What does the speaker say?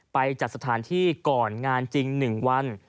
ไปจัดสถานที่ก่อนงานจริง๑วัน